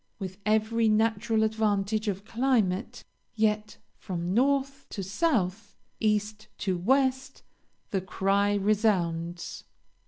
With every natural advantage of climate, yet from North to South, East to West the cry resounds.